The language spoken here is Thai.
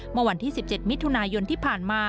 เมื่อวันที่๑๗มิถุนายนที่ผ่านมา